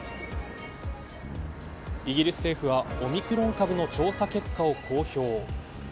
イギリス政府はオミクロン株の調査結果を公表。